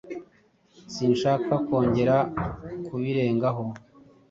Sinshaka kongera kubirengaho.